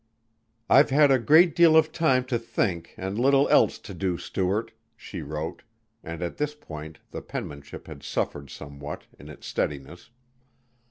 "I've had a great deal of time to think and little else to do, Stuart," she wrote, and at this point the penmanship had suffered somewhat in its steadiness.